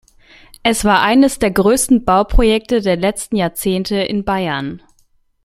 Es war eines der größten Bauprojekte der letzten Jahrzehnte in Bayern.